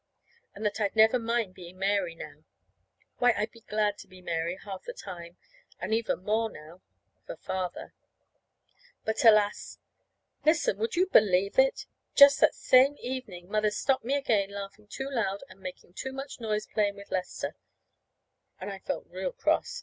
And that I'd never mind being Mary now. Why, I'd be glad to be Mary half the time, and even more for Father. But, alas! Listen. Would you believe it? Just that same evening Mother stopped me again laughing too loud and making too much noise playing with Lester; and I felt real cross.